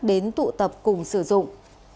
đến tụ tập cùng sử dụng